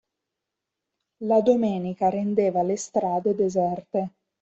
La domenica rendeva le strade deserte.